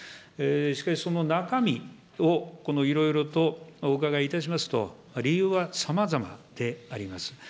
しかし、その中身をいろいろとお伺いいたしますと、理由はさまざまであります。